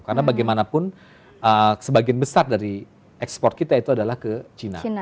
karena bagaimanapun sebagian besar dari ekspor kita itu adalah ke cina